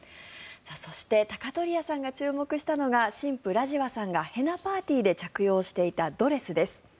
そして鷹鳥屋さんが注目したのが新婦ラジワさんがヘナ・パーティーで着用していたドレスです。